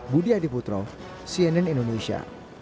budi adiputro cnn indonesia